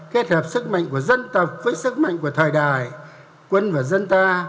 kết hợp sức mạnh của dân tộc với sức mạnh của thời đại quân và dân ta